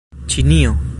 ĉinio